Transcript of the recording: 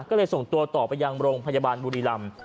ก็เลยส่งตัวต่อไปยังโรงพยาบาลบุรีรำ